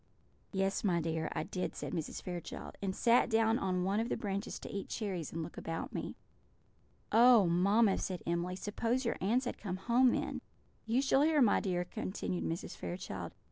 "Yes, my dear, I did," said Mrs. Fairchild; "and sat down on one of the branches to eat cherries and look about me." "Oh, mamma!" said Emily, "suppose your aunts had come home then!" "You shall hear, my dear," continued Mrs. Fairchild.